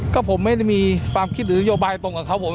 ก็ผมไม่ได้มีความคิดหรือนโยบายตรงกับเขาผม